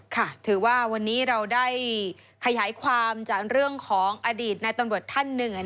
ถือว่าวันนี้เราได้ขยายความจากเรื่องของอดีตในตำรวจท่านหนึ่ง